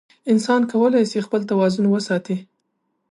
انسان کولی شي خپل توازن وساتي.